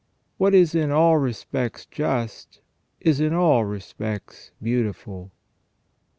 What is in all respects just is in all respects beautiful."